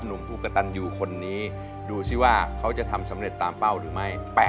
หนุ่มผู้กระตันอยู่คนนี้ดูสิว่าเขาจะทำสำเร็จตามเป้าหรือไม่